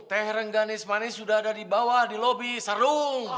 teh renggan ismanis sudah ada di bawah di lobi sardung